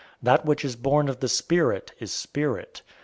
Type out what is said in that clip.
That which is born of the Spirit is spirit.